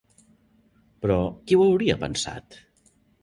Però, qui ho hauria pensat?